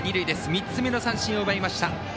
３つ目の三振を奪いました。